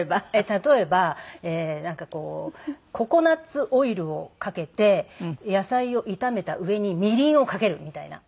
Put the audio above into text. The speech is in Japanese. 例えばなんかこうココナツオイルをかけて野菜を炒めた上にみりんをかけるみたいな。